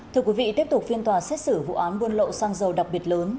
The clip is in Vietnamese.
thưa quý vị tiếp tục phiên tòa xét xử vụ án buôn lậu xăng dầu đặc biệt lớn